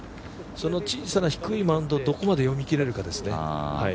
その小さな低いマウンドをどこまで読み切れるかですね。